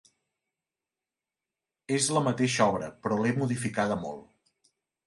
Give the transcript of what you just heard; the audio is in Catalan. És la mateixa obra, però l'he modificada molt.